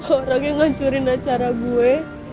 orang yang ngancurin acara gue